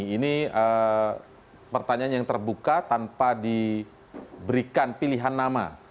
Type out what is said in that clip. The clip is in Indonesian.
ini pertanyaan yang terbuka tanpa diberikan pilihan nama